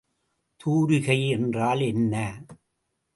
தூரிகை என்றால் என்ன?